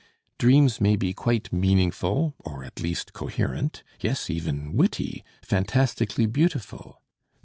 Dreams may be quite meaningful or at least coherent, yes, even witty, fantastically beautiful.